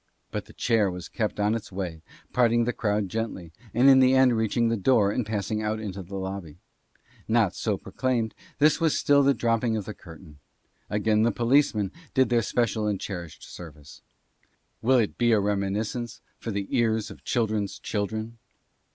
But the chair was kept on its way, parting the crowd gently, and in the end reaching the door and passing out into the lobby. Not so proclaimed, this was still the dropping of the curtain. Again the policemen did their special and cherished service. Will it be a reminiscence for the ears of children's children?